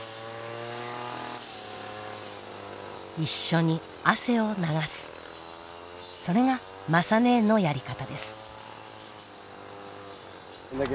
一緒に汗を流すそれが雅ねえのやり方です。